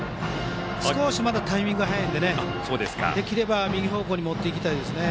少しまだタイミングが早いのでできれば右方向に持っていきたいですね。